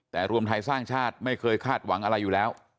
แต่รวมไทยสร้างชาติไม่เคยคาดหวังอะไรอยู่แล้ว